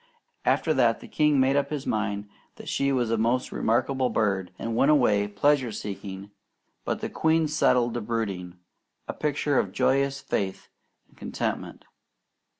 After that the king made up his mind that she was a most remarkable bird, and went away pleasure seeking; but the queen settled to brooding, a picture of joyous faith and contentment.